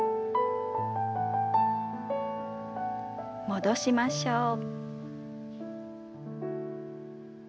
戻しましょう。